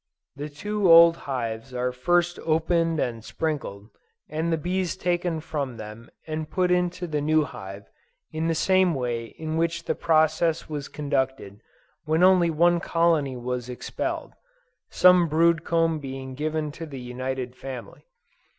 The two old hives are first opened and sprinkled, and the bees taken from them and put into the new hive in the same way in which the process was conducted when only one colony was expelled, some brood comb being given to the united family.